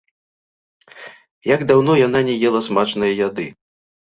Як даўно яна не ела смачнай яды!